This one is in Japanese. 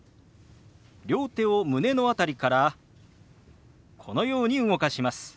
両手を胸の辺りからこのように動かします。